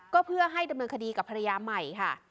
ก็เพื่อให้ดำเนินคดีกับภรรยาใหม่ค่ะ